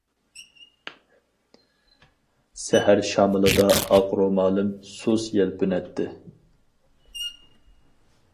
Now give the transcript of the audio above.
سەھەر شامىلىدا ئاق رومالىم سۇس يەلپۈنەتتى.